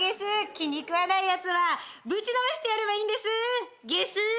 気にくわないやつはぶちのめしてやればいいんですげす。